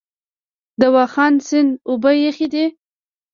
د واخان سیند اوبه یخې دي؟